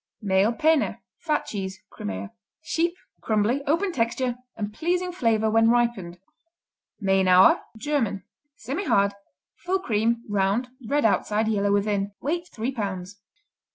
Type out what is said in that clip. Maile Pener (Fat Cheese) Crimea Sheep; crumbly; open texture and pleasing flavor when ripened. Mainauer German Semihard; full cream; round; red outside, yellow within. Weight three pounds.